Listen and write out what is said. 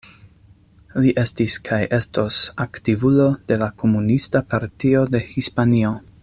Li estis kaj estos aktivulo de la Komunista Partio de Hispanio.